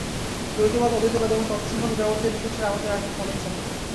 দ্বৈতবাদ অদ্বৈতবাদ এবং তৎসংক্রান্ত যাবতীয় বিষয় ছাড়া আমাদের আর কিছু আলোচ্য নেই।